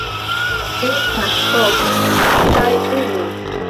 Estas ok, kaj unu.